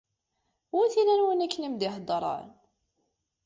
Wi t-ilan win akken i m-d-iheddṛen?